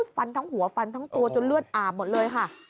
ฟันทั้งหัวฟันทั้งตัวจนเลือดอาบหมดเลยค่ะ